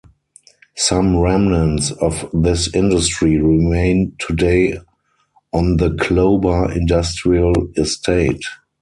Some remnants of this industry remain today on the Clober Industrial Estate.